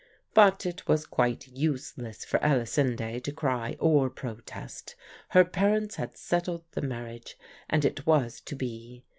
But it was quite useless for Elisinde to cry or protest. Her parents had settled the marriage and it was to be.